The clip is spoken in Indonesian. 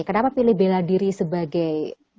kenapa pilih bela diri sebagai